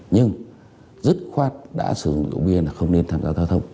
nhưng dứt khoát đã sử dụng rượu bia là không nên tham gia giao thông